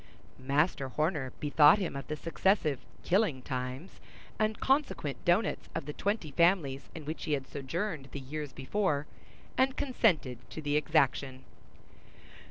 Master Horner bethought him of the successive "killing times," and consequent doughnuts of the twenty families in which he had sojourned the years before, and consented to the exaction.